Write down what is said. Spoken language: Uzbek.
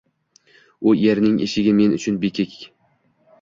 U erning eshigi men uchun bekiq